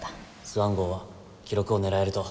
スワン号は記録を狙えると。